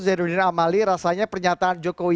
zainuddin amali rasanya pernyataan jokowi